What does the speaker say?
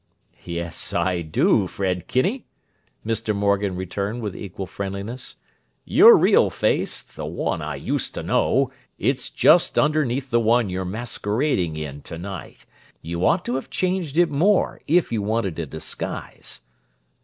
"Yes, I do, Fred Kinney!" Mr. Morgan returned with equal friendliness. "Your real face—the one I used to know—it's just underneath the one you're masquerading in to night. You ought to have changed it more if you wanted a disguise."